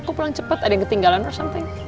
kok pulang cepet ada yang ketinggalan or something